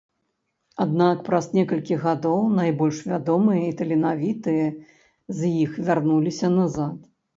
Аднак праз некалькі гадоў найбольш вядомыя і таленавітыя з іх вярнуліся назад.